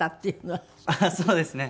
そうですね。